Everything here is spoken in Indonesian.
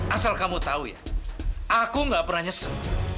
asal kamu tahu ya aku gak pernah nyesem